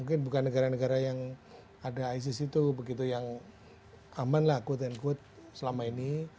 mungkin bukan negara negara yang ada isis itu begitu yang aman lah quote unquote selama ini